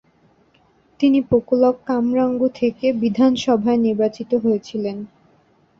তিনি পোকলক-কামরাঙ্গ থেকে বিধানসভায় নির্বাচিত হয়েছিলেন।